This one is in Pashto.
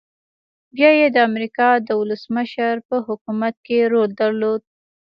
بيا يې د امريکا د ولسمشر په حکومت کې رول درلود.